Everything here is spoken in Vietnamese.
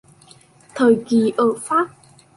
Thời kỳ ở Pháp